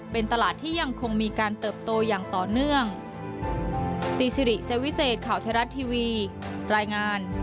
เป็นตลาดที่ยังคงมีการเติบโตอย่างต่อเนื่อง